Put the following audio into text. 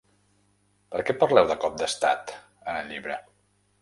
Per què parleu de ‘cop d’estat’ en el llibre?